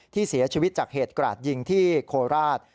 ที่เสียชีวิตจากเหตุกราดยิงที่โคราช